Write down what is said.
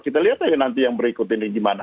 kita lihat aja nanti yang berikut ini gimana